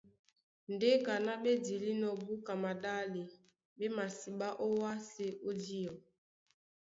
Ndé kaná ɓé dilínɔ̄ búka maɗále, ɓé masiɓá ówásē ó diɔ.